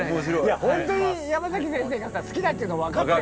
いや本当にヤマザキ先生がさ好きだっていうの分かって。